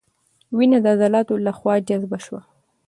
وینه د عضلاتو له خوا جذب شوه.